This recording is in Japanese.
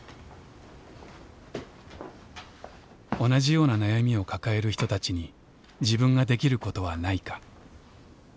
同じような悩みを抱える人たちに自分ができることはないか。